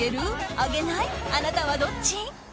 あなたはどっち？